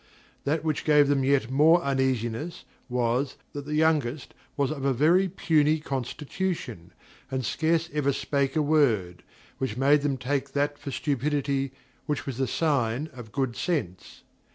That which gave them yet more uneasiness was, that the youngest was of a very puny constitution, and scarce ever spake a word, which made them take that for stupidity which was a sign of good sense.